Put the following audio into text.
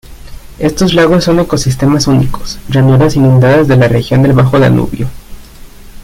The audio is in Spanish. Estos lagos son ecosistemas únicos, llanuras inundadas de la región del Bajo Danubio.